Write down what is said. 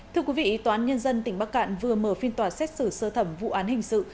thưa quý vị tòa án nhân dân tỉnh bắc cạn vừa mở phiên tòa xét xử sơ thẩm vụ án hình sự